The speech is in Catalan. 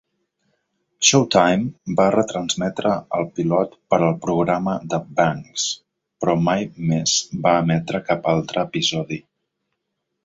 Showtime va retransmetre el pilot per al programa de Banks, però mai més va emetre cap altre episodi.